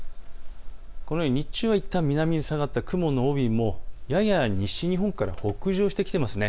このように日中はいったん南に下がった雲の帯もやや西日本から北上してきています。